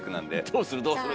「どうするどうする」